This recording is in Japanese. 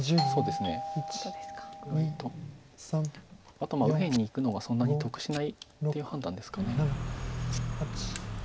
あと右辺にいくのがそんなに得しないっていう判断ですか。